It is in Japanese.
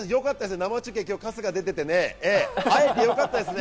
今日、生中継に春日が出ててね、会えてよかったですよね。